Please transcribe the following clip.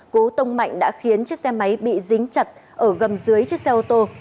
cố tông mạnh đã khiến chiếc xe máy bị dính chặt ở gầm dưới chiếc xe ô tô